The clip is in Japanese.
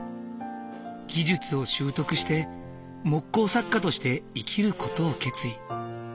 技術を習得して木工作家として生きる事を決意。